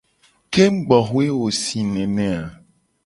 Kengugboxue wo le sii nene a?